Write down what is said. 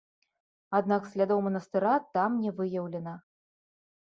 Аднак слядоў манастыра там не выяўлена.